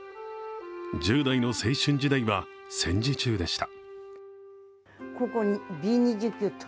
１０代の青春時代は戦時中でした。